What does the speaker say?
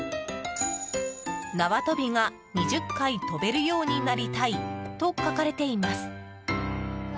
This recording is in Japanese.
「なわとびが２０かいとべるようになりたい」と書かれています。